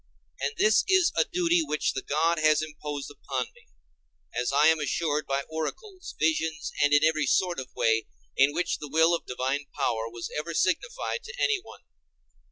And this is a duty which the God has imposed upon me, as I am assured by oracles, visions, and in every sort of way in which the will of divine power was ever signified to anyone.